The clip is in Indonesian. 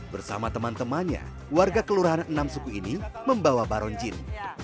bersama teman temannya warga kelurahan enam suku ini membawa baron jin